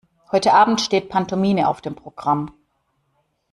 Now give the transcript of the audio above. Heute Abend steht Pantomime auf dem Programm.